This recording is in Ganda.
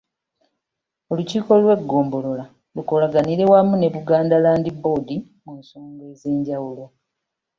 Olukiiko lw’eggombolola lukolaganire wamu ne Buganda Land Board mu nsonga ez'enjawulo.